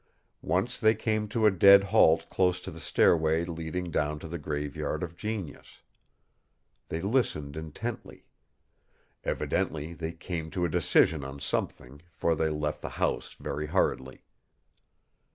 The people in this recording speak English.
Once they came to a dead halt close to the stairway leading down to the Graveyard of Genius. They listened intently. Evidently they came to a decision on something, for they left the house very hurriedly.